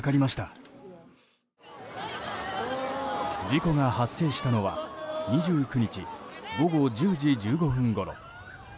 事故が発生したのは２９日、午後１０時１５分ごろ。